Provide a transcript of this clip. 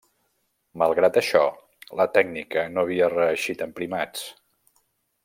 Malgrat això, la tècnica no havia reeixit en primats.